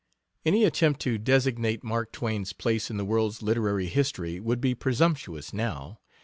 Any attempt to designate Mark Twain's place in the world's literary history would be presumptuous now.